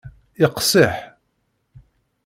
Iqsiḥ.